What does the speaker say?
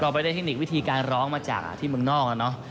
ไปได้เทคนิควิธีการร้องมาจากที่เมืองนอกแล้วเนอะ